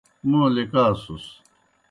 موں لِکاسُس۔